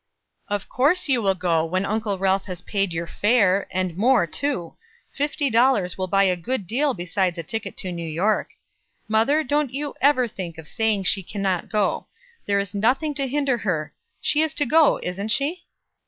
"Of course you will go, when Uncle Ralph has paid your fare, and more, too. Fifty dollars will buy a good deal besides a ticket to New York. Mother, don't you ever think of saying that she can't go; there is nothing to hinder her. She is to go, isn't she?"